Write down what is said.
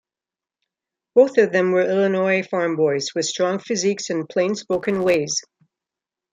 Both of them were Illinois farm boys, with strong physiques and plain-spoken ways.